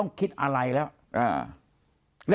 เสียชีวิต